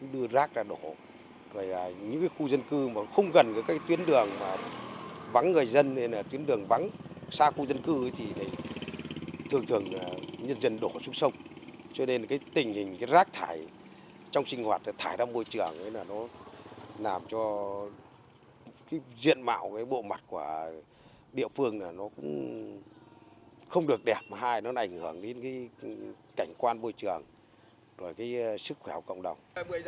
địa phương không được đẹp hay ảnh hưởng đến cảnh quan môi trường và sức khỏe của cộng đồng